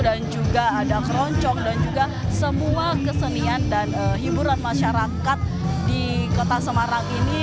dan juga ada keroncong dan juga semua kesenian dan hiburan masyarakat di kota semarang ini